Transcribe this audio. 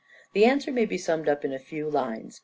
The answer may be summed up in a few lines.